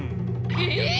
え！？